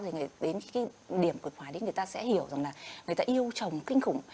thì đến cái điểm cực khoái đấy người ta sẽ hiểu rằng là người ta yêu chồng kinh khủng